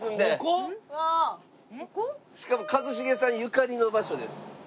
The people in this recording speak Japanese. しかも一茂さんゆかりの場所です。